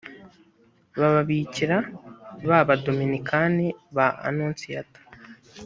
b ababikira b abadominikani ba anonsiyata